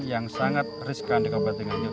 yang sangat riskan di kabupaten nganjuk